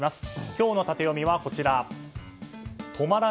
今日のタテヨミはこちら。